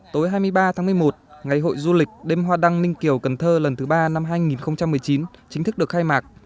tối hai mươi ba tháng một mươi một ngày hội du lịch đêm hoa đăng ninh kiều cần thơ lần thứ ba năm hai nghìn một mươi chín chính thức được khai mạc